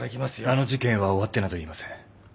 あの事件は終わってなどいません。